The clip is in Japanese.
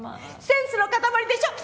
センスの塊でしょ？